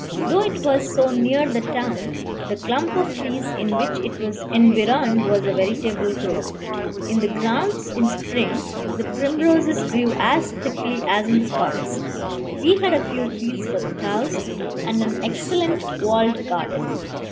Though it was so near the town, the clump of trees in which it was environed was a veritable grove. In the grounds in spring the primroses grew as thickly as in the forest. We had a few fields for the cows, and an excellent walled garden.